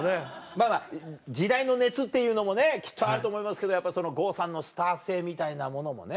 まぁまぁ時代の熱っていうのもねきっとあると思いますけどやっぱその郷さんのスター性みたいなものもね。